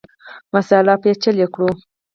مسأله پېچلې کړو.